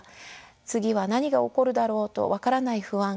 次は何が起こるだろうと分からない不安。